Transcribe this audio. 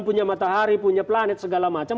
punya matahari punya planet segala macam